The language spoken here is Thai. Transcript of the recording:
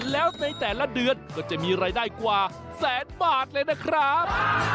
แล้วในแต่ละเดือนก็จะมีรายได้กว่าแสนบาทเลยนะครับ